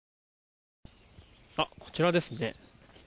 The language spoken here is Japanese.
あっ、こちらですね。